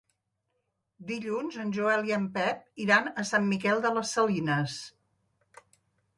Dilluns en Joel i en Pep iran a Sant Miquel de les Salines.